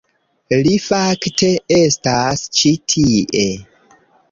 Li fakte estas ĉi tie